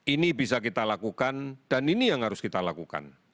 ini bisa kita lakukan dan ini yang harus kita lakukan